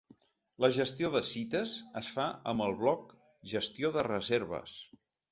La gestió de cites, es fa amb el bloc gestió de reserves.